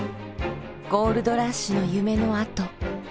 ゴールドラッシュの夢の跡。